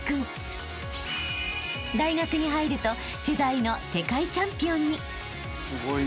［大学に入ると世代の世界チャンピオンに］